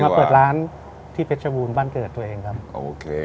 เลยมาเปิดร้านที่เป็ดชะบูนบ้านเกิดตัวเองครับโอเค